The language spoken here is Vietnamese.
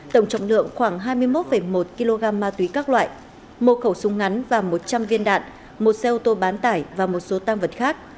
tổng trọng lượng khoảng hai mươi một một kg ma túy các loại một khẩu súng ngắn và một trăm linh viên đạn một xe ô tô bán tải và một số tam vật khác